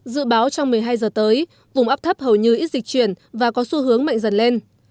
dự báo trong một mươi hai giờ tới vùng áp thấp hầu như ít dịch chuyển và có xu hướng mạnh dần lên